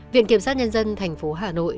viện kiểm soát nhân dân thành phố hà nội